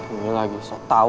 ini lagi so tau